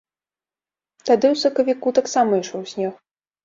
Тады ў сакавіку таксама ішоў снег.